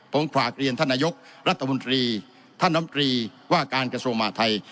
ผมฝากเรียนท่านนายกรัฐมนตรีท่านน้ำตรีว่าการกระทรวงมหาทัย